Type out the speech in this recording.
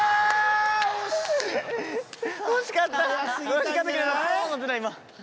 惜しかった！